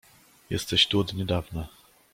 "Jesteś tu od niedawna."